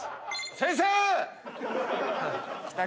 先生。